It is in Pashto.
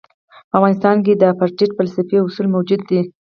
په افغانستان کې د اپارټایډ فلسفي اصول موجود دي.